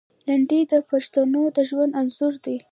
لنډۍ د پښتنو د ژوند انځور دی.